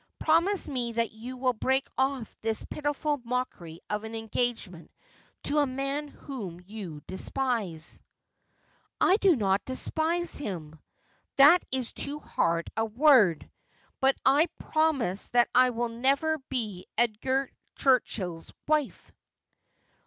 Promise me that you will break off this pitiful mockery of an engagement to a man whom you despise.' ' I do not despise him — that is too hard a word — but I pro mise that I will never be Edgar Turchill's wife.'